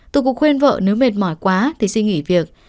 tôi cũng khuyên vợ nếu mệt mỏi quá thì xin nghỉ việc